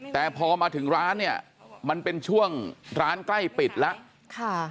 แต่พอมาถึงร้านเนี่ยมันเป็นช่วงร้านใกล้ปิดแล้ว